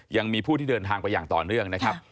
ยังมีผู้ที่เดินทางไปอย่างต่อเนื่องนะครับ